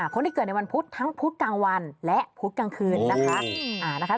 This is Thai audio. คนที่เกิดในวันพุธทั้งพุธกลางวันและพุธกลางคืนนะคะ